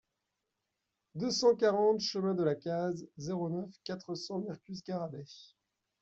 deux cent quarante chemin de la Caze, zéro neuf, quatre cents Mercus-Garrabet